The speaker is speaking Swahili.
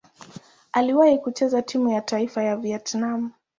Aliwahi kucheza timu ya taifa ya Vietnam.